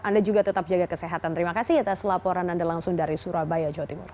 anda juga tetap jaga kesehatan terima kasih atas laporan anda langsung dari surabaya jawa timur